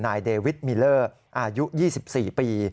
นายเดวิทมิลเลอร์อายุ๒๔ปี